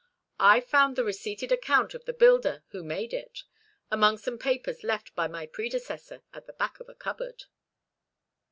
I found the receipted account of the builder who made it, among some papers left by my predecessor at the back of a cupboard."